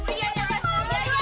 kejar coba di situ